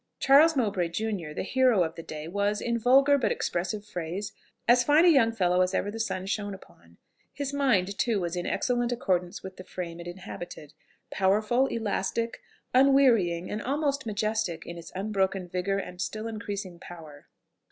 Charles Mowbray junior, the hero of the day, was, in vulgar but expressive phrase, as fine a young fellow as ever the sun shone upon. His mind, too, was in excellent accordance with the frame it inhabited, powerful, elastic, unwearying, and almost majestic in its unbroken vigour and still increasing power.